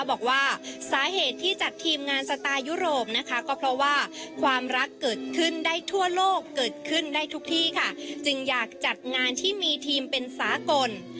บอกว่าสาเหตุที่จัดทีมงานสไตล์ยุโรปนะคะก็เพราะว่าความรักเกิดขึ้นได้ทั่วโลกเกิดขึ้นได้ทุกที่ค่ะจึงอยากจัดงานที่มีทีมเป็นสากล